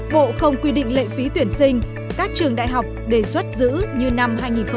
bộ không quy định lệ phí tuyển sinh các trường đại học đề xuất giữ như năm hai nghìn một mươi chín